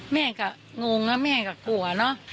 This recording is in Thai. แม่ก็งงนะแม่ก็กลัวเนอะ